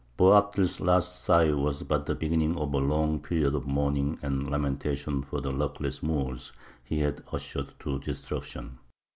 Boabdil's "last sigh" was but the beginning of a long period of mourning and lamentation for the luckless Moors he had ushered to destruction.